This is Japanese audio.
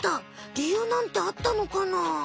りゆうなんてあったのかな？